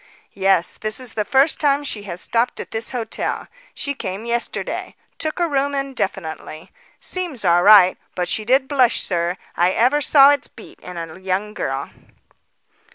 "Yes; this is the first time she has stopped at this hotel. She came yesterday. Took a room indefinitely. Seems all right; but she did blush, sir. I ever saw its beat in a young girl."